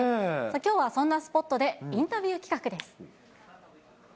きょうはそんなスポットでインタビュー企画です。